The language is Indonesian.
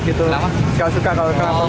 belum nyawa saya belum beli